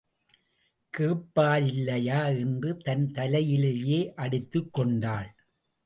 கேப்பாரில்லையா... என்று தன் தலையிலேயே அடித்துக் கொண்டாள்.